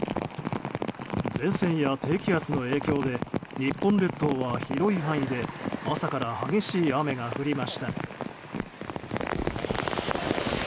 前線や低気圧の影響で日本列島は広い範囲で朝から激しい雨が降りました。